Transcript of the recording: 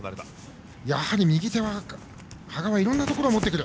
右手は羽賀はいろんなところを持ってくる。